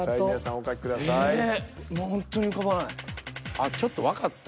あっちょっとわかった。